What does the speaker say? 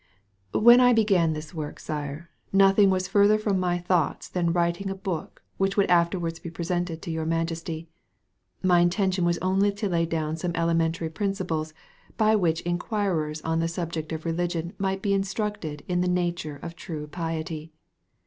When I began this work, Sire, nothing was further from my thoughts than writing a book which would afterwards be presented to your Majesty. My intention was only to lay down some elementary principles, by which inquirers on the subject of religion might be instructed in the nature of true piety.